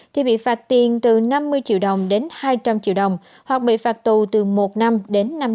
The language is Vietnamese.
thì bị phạt tiền từ năm mươi triệu đồng đến hai trăm linh triệu đồng hoặc bị phạt tù từ một năm đến năm năm tù